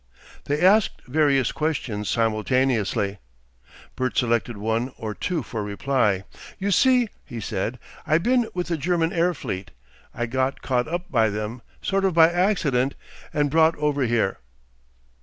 They asked various questions simultaneously. Bert selected one or two for reply. "You see," he said, "I been with the German air fleet. I got caught up by them, sort of by accident, and brought over here."